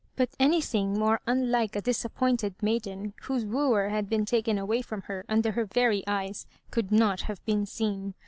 But anything more unlike a disappointed maiden, whose wooer had been taken away from her, under her very eyes, could not have been seen.